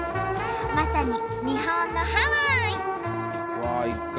まさに日本のハワイ！